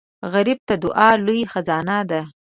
غریب ته دعا لوی خزانه ده